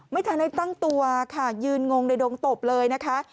ไม่ทันได้ตั้งตัวค่ะยืนงงในดงตบเลยนะคะ